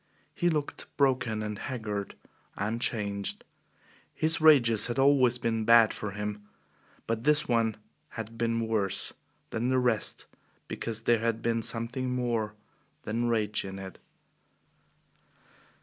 He looked broken and haggard and changed. His rages had always been bad for him, but this one had been worse than the rest because there had been something more than rage in it.